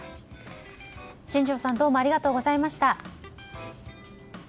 新庄さん、どうもありがとうございました。